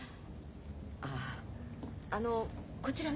あああのこちらね。